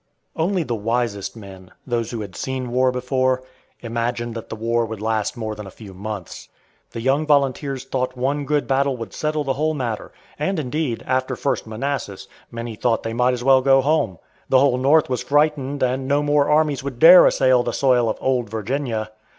Only the wisest men, those who had seen war before, imagined that the war would last more than a few months. The young volunteers thought one good battle would settle the whole matter; and, indeed, after "first Manassas" many thought they might as well go home! The whole North was frightened, and no more armies would dare assail the soil of Old Virginia.